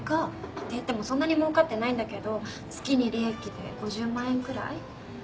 って言ってもそんなにもうかってないんだけど月に利益で５０万円くらい。